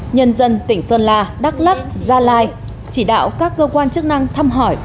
nhân dân tỉnh sơn la đắk lắc gia lai chỉ đạo các cơ quan chức năng thăm hỏi